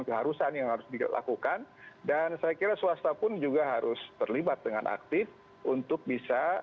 keharusan yang harus dilakukan dan saya kira swasta pun juga harus terlibat dengan aktif untuk bisa